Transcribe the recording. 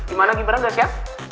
di mana gibran udah siap